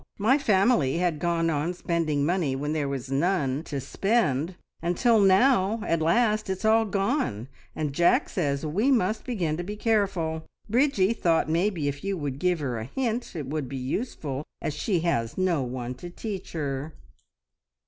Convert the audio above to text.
My family had gone on spending money when there was none to spend, until now at last it's all gone, and Jack says we must begin to be careful. Bridgie thought maybe if you would give her a hint it would be useful, as she has no one to teach her."